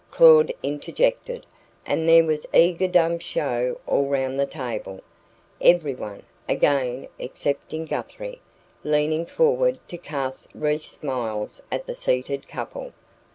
Claud interjected; and there was eager dumb show all round the table, everyone again excepting Guthrie leaning forward to cast wreathed smiles at the seated couple.